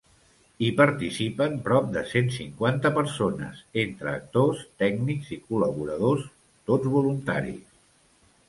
Hi participen prop de cent cinquanta persones, entre actors, tècnics i col·laboradors, tots voluntaris.